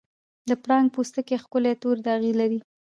د پړانګ پوستکی ښکلي تورې داغې لري.